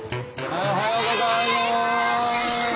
おはようございます！